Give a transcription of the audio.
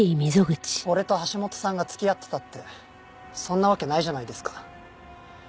俺と橋本さんが付き合ってたってそんなわけないじゃないですか。